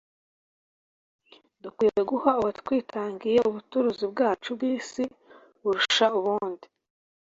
Dukwiriye guha Uwatwitangiye ubuturuzi bwacu bw'isi burusha ubundi